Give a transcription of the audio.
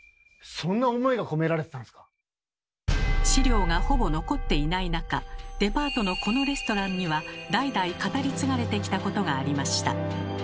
資料がほぼ残っていない中デパートのこのレストランには代々語り継がれてきたことがありました。